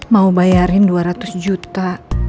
mau bayarin dua ratus juta